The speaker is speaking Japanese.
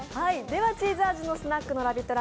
では、チーズ味のスナックのラヴィット！